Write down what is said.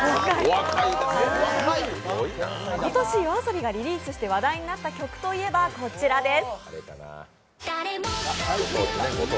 今年ＹＯＡＳＯＢＩがリリースして話題になった曲といえばこちらです。